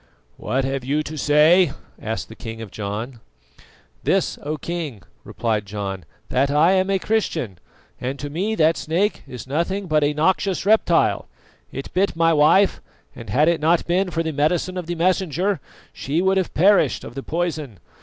"What have you to say?" asked the king of John. "This, O King," replied John, "that I am a Christian, and to me that snake is nothing but a noxious reptile. It bit my wife, and had it not been for the medicine of the Messenger, she would have perished of the poison.